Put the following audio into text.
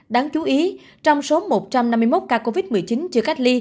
đáng chú ý trong số một trăm năm mươi một ca covid một mươi chín